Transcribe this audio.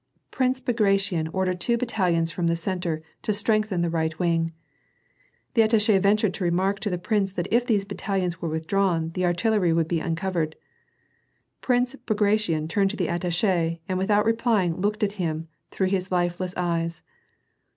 Prince Bagration ordered two battalions from the centre to strengthen the right wing. The attach^ ventured to remark to the prince that if these battalions were withdrawn, the artillery would be uncovered. Prince Bagration turned to the attache and without replying looked at him through his lifeless eyes.